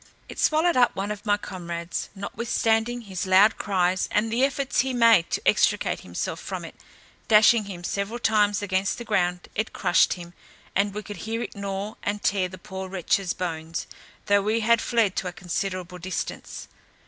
It swallowed up one of my comrades, notwithstanding his loud cries, and the efforts he made to extricate himself from it; dashing him several times against the ground, it crushed him, and we could hear it gnaw and tear the poor wretch's bones, though we had fled to a considerable distance.